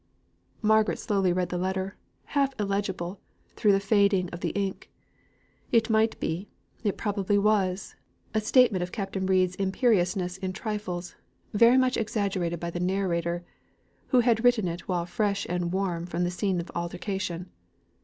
Margaret slowly read the letter, half illegible through the fading of the ink. It might be it probably was a statement of Captain Reid's imperiousness in trifles, very much exaggerated by the narrator, who had written it while fresh and warm from the scene of altercation.